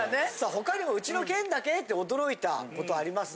他にも「うちの県だけ？」って驚いたことあります？